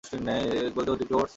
এক বালতি অতিরিক্ত ওটস?